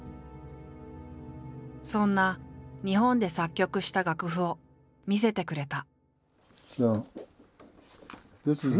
そんな日本で作曲した楽譜を見せてくれた。